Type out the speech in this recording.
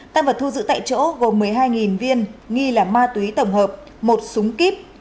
tăng vật thu giữ tại chỗ gồm một mươi hai viên nghi là ma túy tổng hợp một súng kíp